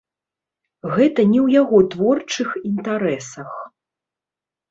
Гэта не ў яго творчых інтарэсах.